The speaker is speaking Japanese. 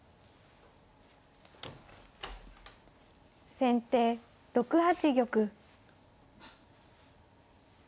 先手６八玉。